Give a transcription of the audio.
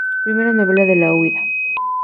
Primera novela de la huida".